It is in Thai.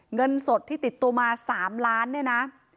เงินสดที่ติดตัวมา๓ล้านเนี่ยนะ